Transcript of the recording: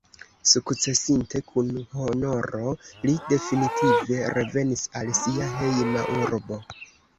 Sukcesinte kun honoro, li definitive revenis al sia hejma urbo.